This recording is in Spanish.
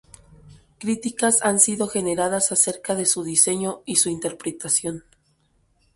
Críticas han sido generadas acerca de su diseño y su interpretación.